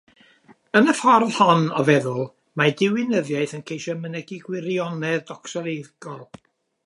Yn y ffordd hon o feddwl, mae diwinyddiaeth yn ceisio mynegi gwirionedd docsolegol.